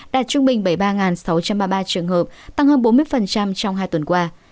đạt trung bình bảy mươi ba sáu trăm ba mươi ba trường hợp tăng hơn bốn mươi trong hai tuần qua